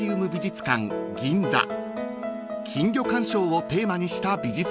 ［金魚鑑賞をテーマにした美術館です］